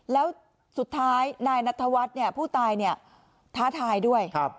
แล้วสุดท้ายนายนัทธวัฒน์ผู้ตายเนี่ยท้าทายด้วย